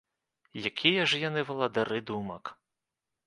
Якія ж яны валадары думак?